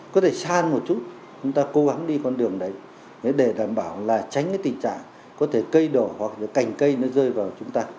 có thể san một chút chúng ta cố gắng đi con đường đấy để đảm bảo là tránh cái tình trạng có thể cây đổ hoặc là cành cây nó rơi vào chúng ta